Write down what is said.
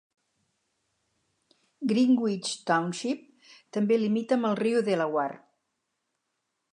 Greenwich Township també limita amb el riu Delaware.